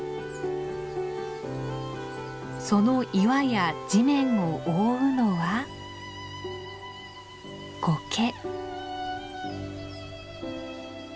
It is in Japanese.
その岩や地面を覆うのはコケ。